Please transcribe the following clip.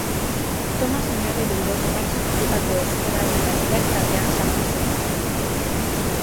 Tomas Meabe bilbotarrak sortutako Ezkerraren Gazteak taldean sartu zen.